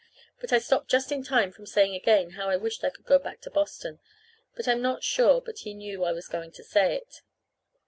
But I stopped just in time from saying again how I wished I could go back to Boston; but I'm not sure but he knew I was going to say it.